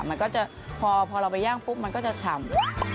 มันก็จะพอเราไปย่างปุ๊บมันก็จะฉ่ำ